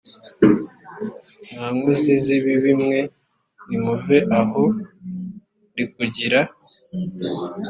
mwa nkozi z ibibi mwe nimuve aho ndi kugira